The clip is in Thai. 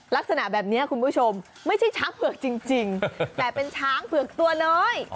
ลักษณะแบบนี้คุณผู้ชมไม่ใช่ช้างเผือกจริงแต่เป็นช้างเผือกตัวน้อย